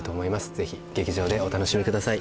ぜひ劇場でお楽しみください